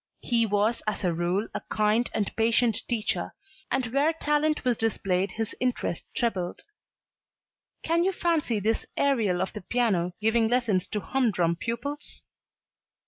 He was as a rule a kind and patient teacher, and where talent was displayed his interest trebled. Can you fancy this Ariel of the piano giving lessons to hum drum pupils!